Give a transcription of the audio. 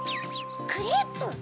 クレープ？